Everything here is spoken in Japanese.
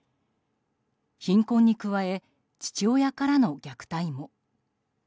貧困に加え、父親からの虐待も。